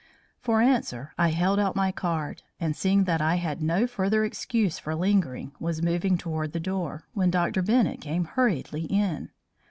For answer I held out my card, and seeing that I had no further excuse for lingering, was moving toward the door, when Dr. Bennett came hurriedly in.